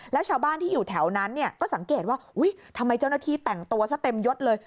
แล้วชาวบ้านที่อยู่แถวนั้นเนี่ยก็สังเกตว่าทำไมเจ้าหน้าที่แต่งตัวซะเต็มยดเลย